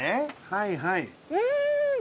はいはい。